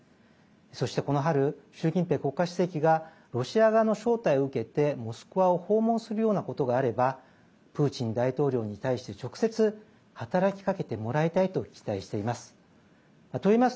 そしてこの春、習近平国家主席がロシア側の招待を受けてモスクワを訪問するようなことがあれば、プーチン大統領に対して直接、働きかけてもらいたいと期待しています。